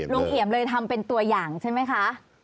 เอี่ยมเลยทำเป็นตัวอย่างใช่ไหมคะ